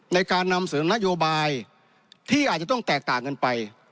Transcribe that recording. ในการนำเสริมนโยบายที่อาจจะต้องแตกต่างกันไป